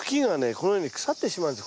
このように腐ってしまうんです。